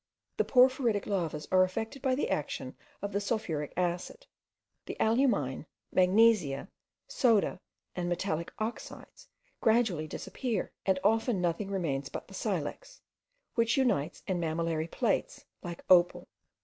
The porphyritic lavas are affected by the action of the sulphuric acid: the alumine, magnesia, soda, and metallic oxides gradually disappear; and often nothing remains but the silex, which unites in mammillary plates, like opal.